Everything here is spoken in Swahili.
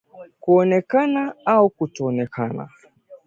kuonekana au kutoonekana